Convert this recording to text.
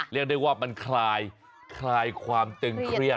เรียกได้ว่ามันคลายความตึงเครียด